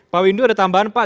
pak windu ada tambahan pak